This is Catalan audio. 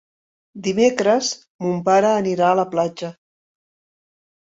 Dimecres mon pare anirà a la platja.